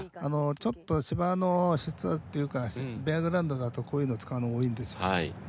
ちょっと芝の質っていうかベアグラウンドだとこういうの使うの多いんですよ。